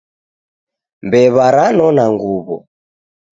Mbewa ranona nguwo